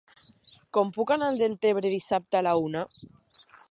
Com puc anar a Deltebre dissabte a la una?